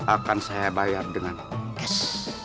akan saya bayar dengan es